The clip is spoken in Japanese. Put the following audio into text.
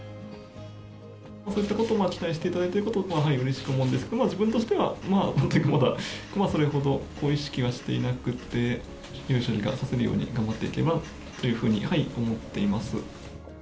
そういったことを期待していただいていることをうれしく思うんですけれども、自分としてはまあ、それほど意識はしていなくて、いい将棋が指せるように頑張っていければというふうに思っています。